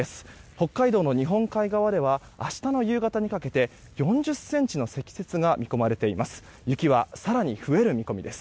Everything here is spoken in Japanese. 北海道の日本海側では明日の夕方にかけて４０ｃｍの積雪が見込まれています。